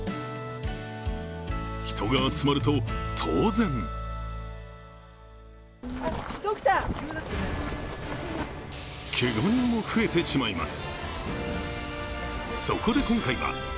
人が集まると当然けが人も増えてしまいます。